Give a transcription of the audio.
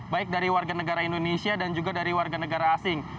baik dari warga negara indonesia dan juga dari warga negara asing